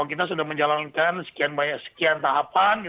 kita sudah menjalankan sekian tahapan